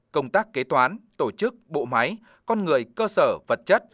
công tác kế toán tổ chức bộ máy con người cơ sở vật chất